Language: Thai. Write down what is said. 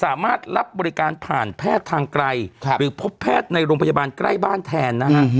รับบริการผ่านแพทย์ทางไกลหรือพบแพทย์ในโรงพยาบาลใกล้บ้านแทนนะฮะ